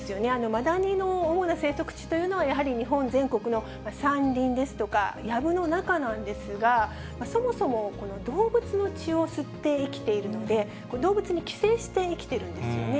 マダニの主な生息地というのは、やはり日本全国の山林ですとか、やぶの中なんですが、そもそも動物の血を吸って生きているので、動物に寄生して生きてるんですよね。